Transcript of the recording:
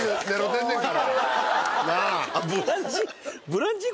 「ブランチ」？